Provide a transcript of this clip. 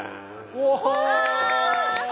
うわ！